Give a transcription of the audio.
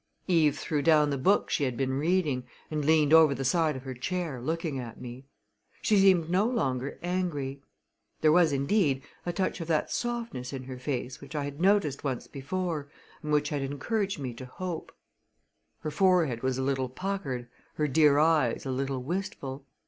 Eve threw down the book she had been reading and leaned over the side of her chair, looking at me. She seemed no longer angry. There was, indeed, a touch of that softness in her face which I had noticed once before and which had encouraged me to hope. Her forehead was a little puckered, her dear eyes a little wistful.